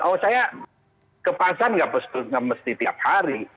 oh saya ke pasar nggak mesti tiap hari